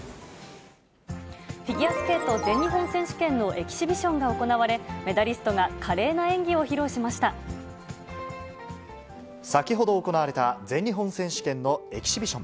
フィギュアスケート全日本選手権のエキシビションが行われ、メダリストが華麗な演技を披露し先ほど行われた全日本選手権のエキシビション。